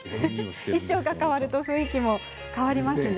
衣装が変わると雰囲気も違いますよね。